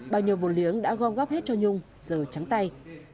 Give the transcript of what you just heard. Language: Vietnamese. bao nhiêu vốn liếng đã gom góp hết cho nhung giờ trắng tay